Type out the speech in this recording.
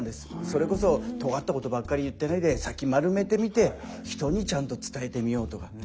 それこそとがったことばっかり言ってないで先丸めてみて人にちゃんと伝えてみようとか。